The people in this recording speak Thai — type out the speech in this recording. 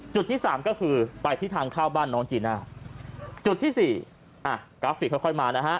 จุดที่สามก็คือไปที่ทางเข้าบ้านน้องจีน่าจุดที่สี่อ่ะกราฟิกค่อยมานะฮะ